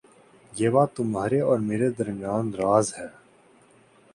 یہ بات تمہارے اور میرے درمیان راز ہے